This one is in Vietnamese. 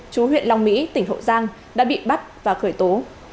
chú huyện long mỹ tỉnh hậu giang đã bị bắt và khởi tố